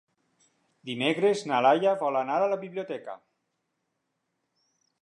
Dimecres na Laia vol anar a la biblioteca.